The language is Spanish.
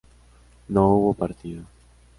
¿no hubo partido?